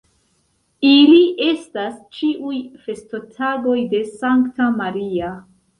Ili estas ĉiuj festotagoj de Sankta Maria.